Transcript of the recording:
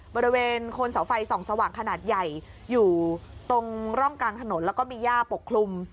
บริเวณโคนเสาไฟส่องสว่างขนาดใหญ่อยู่ตรงร่องกลางถนนแล้วก็มีย่าปกคลุม